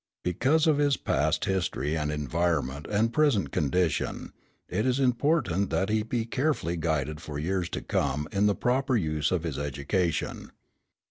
Because of his past history and environment and present condition it is important that he be carefully guided for years to come in the proper use of his education.